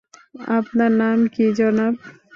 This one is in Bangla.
আপনার নাম কী, জনাব?